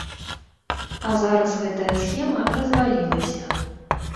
А зараз гэтая схема развалілася.